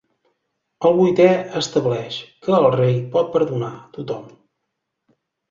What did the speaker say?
El vuitè estableix que el rei pot perdonar tothom.